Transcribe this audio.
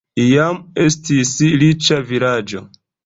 Iam estis riĉa vilaĝo.